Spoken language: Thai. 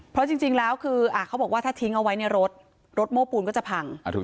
เพราะจริงแล้วคือเขาบอกว่าถ้าทิ้งเอาไว้ในรถรถโม้ปูนก็จะพัง